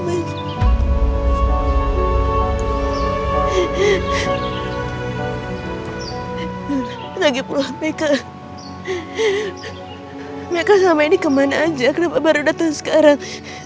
lagi pulang mereka mereka sampai ini kemana aja kenapa baru datang sekarang